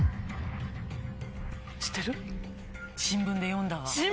新聞で読んだ？